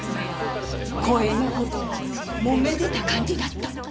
公園のほうでもめてた感じだった。